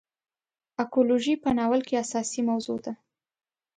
اکولوژي په ناول کې اساسي موضوع ده.